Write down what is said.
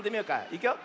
いくよ。